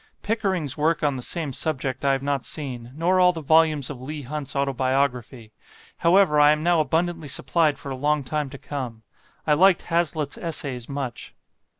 Pickering's work on the same subject I have not seen; nor all the volumes of Leigh Hunt's Autobiography. However, I am now abundantly supplied for a long time to come. I liked Hazlitt's Essays much.